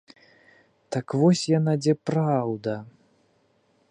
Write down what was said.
Так вось яна, дзе праўда?